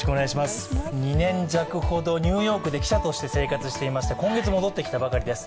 ２年弱ほどニューヨークで記者として生活していまして、今月戻ってきたばかりです。